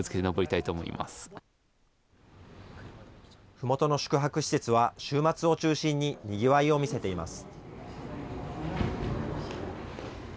ふもとの宿泊施設は、週末を中心ににぎわいを見せています。